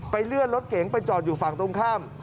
เลื่อนรถเก๋งไปจอดอยู่ฝั่งตรงข้าม